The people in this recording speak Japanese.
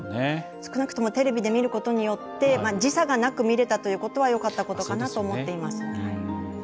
少なくともテレビで見る時差がなく見れたということはよかったことだと思っています。